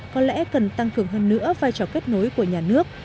có lẽ cần tăng cường hơn nữa vai trò kết nối của nhà nước